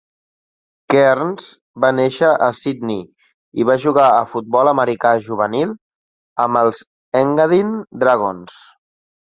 Kearns va néixer a Sydney i va jugar a futbol americà juvenil amb els Engadine Dragons.